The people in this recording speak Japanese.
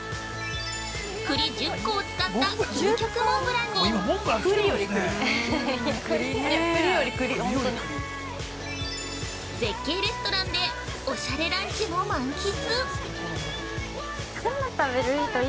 栗１０個を使った究極モンブランに絶景レストランでおしゃれランチも満喫！